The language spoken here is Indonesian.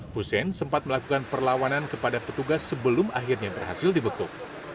hussein sempat melakukan perlawanan kepada petugas sebelum akhirnya berhasil dibekuk